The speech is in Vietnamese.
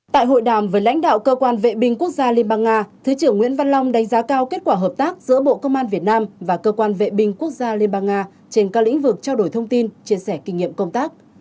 tại hội đàm với lãnh đạo cơ quan vệ binh quốc gia liên bang nga thứ trưởng nguyễn văn long đánh giá cao kết quả hợp tác giữa bộ công an việt nam và cơ quan vệ binh quốc gia liên bang nga trên các lĩnh vực trao đổi thông tin chia sẻ kinh nghiệm công tác